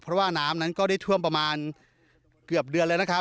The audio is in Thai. เพราะว่าน้ำนั้นก็ได้ท่วมประมาณเกือบเดือนเลยนะครับ